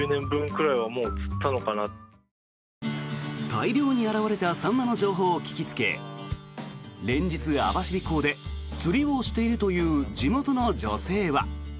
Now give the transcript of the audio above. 大量に現れたサンマの情報を聞きつけ連日、網走港で釣りをしているという地元の女性は。